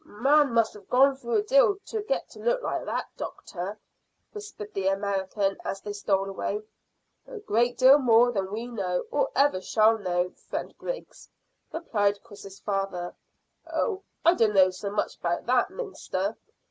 "Man must have gone through a deal to get to look like that, doctor," whispered the American, as they stole away. "A great deal more than we know, or ever shall know, friend Griggs," replied Chris's father. "Oh, I dunno so much about that, mister.